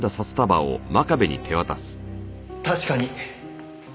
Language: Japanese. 確かに。